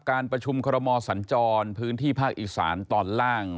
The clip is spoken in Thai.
การประชุมคอรมอสัญจรพื้นที่ภาคอีสานตอนล่าง